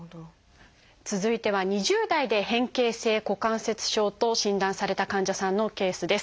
続いては２０代で変形性股関節症と診断された患者さんのケースです。